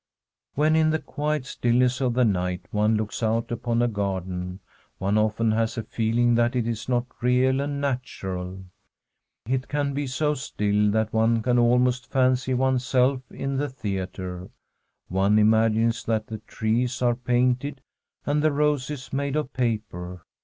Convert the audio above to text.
When in the, quiet stillness of the night one looks out upon a garden, one often has a feeling that it is not real and natural. It can be so still that one can almost fancy one's self in the theatre ; one imagines that the trees are painted and the roses made of paper.